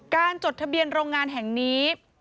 จดทะเบียนโรงงานแห่งนี้